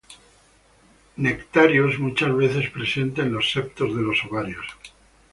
Nectarios muchas veces presentes en los septos de los ovarios.